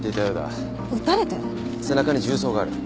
背中に銃創がある。